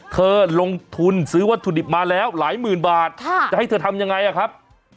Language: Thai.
เธอลงทุนซื้อวัตถุดิบมาแล้วหลายหมื่นบาทจะให้เธอทำยังไงครับ